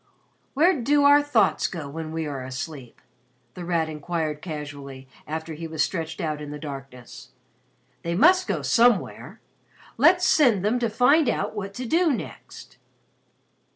"Where do our thoughts go when we are asleep?" The Rat inquired casually after he was stretched out in the darkness. "They must go somewhere. Let's send them to find out what to do next."